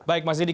baik mas didi